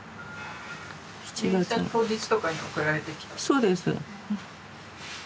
そうです。